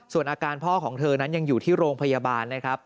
ส่วนอาการพ่อของเธอนั้นยังอยู่ที่โรงพยาบาลนะครับ